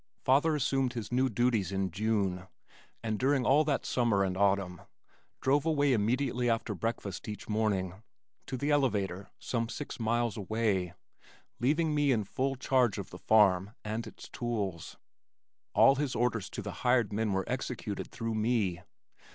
Father assumed his new duties in June and during all that summer and autumn, drove away immediately after breakfast each morning, to the elevator some six miles away, leaving me in full charge of the farm and its tools. All his orders to the hired men were executed through me.